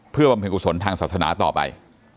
เพื่อบำเพ็ญกุศลทางศาสนาต่อไป